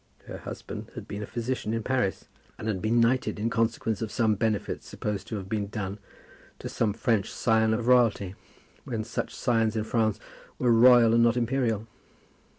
Her husband had been a physician in Paris, and had been knighted in consequence of some benefit supposed to have been done to some French scion of royalty, when such scions in France were royal and not imperial.